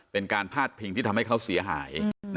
เป็นการพาดพิงที่ทำให้เขาเสียหาย